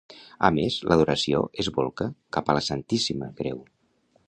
A més, l'adoració es bolca cap a la Santíssima Creu.